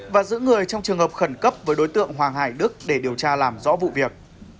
và giữ người trong trường hợp khẩn cấp với đối tượng hoàng hải đức để điều tra làm rõ vụ việc